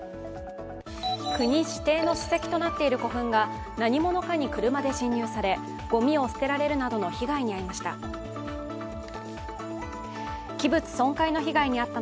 国指定の史跡となっている古墳が、何者かに車で侵入されごみを捨てられるなどの被害に遭いました。